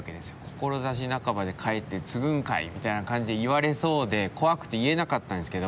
志半ばで帰って継ぐんかいみたいな感じで言われそうで怖くて言えなかったんですけど